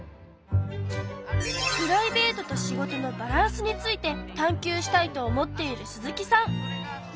プライベートと仕事のバランスについて探究したいと思っている鈴木さん。